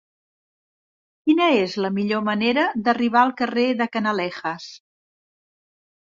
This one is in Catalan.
Quina és la millor manera d'arribar al carrer de Canalejas?